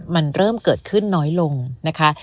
มันเริ่มเกิดขึ้นน้อยลงนะคะ